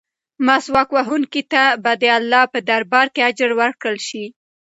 مسواک وهونکي ته به د اللهﷻ په دربار کې اجر ورکړل شي.